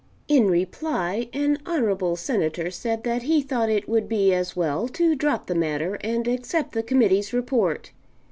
In reply, an honorable Senator said that he thought it would be as well to drop the matter and accept the Committee's report.